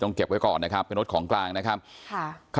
เก็บไว้ก่อนนะครับเป็นรถของกลางนะครับค่ะ